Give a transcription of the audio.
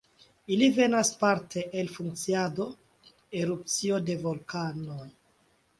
Ili venas parte el funkciado, erupcio de vulkanoj.